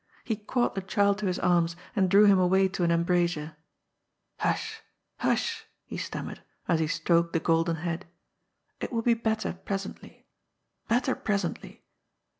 He caught the child to his arms, and drew him away to an embrasure. '^ Hush I hush !" he stammered, as he stroked the gold en head. " It will be better presently — ^better presently.